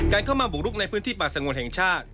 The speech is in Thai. เข้ามาบุกรุกในพื้นที่ป่าสงวนแห่งชาติ